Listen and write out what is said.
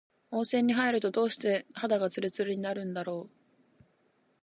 温泉に入ると、どうして肌がつるつるになるんだろう。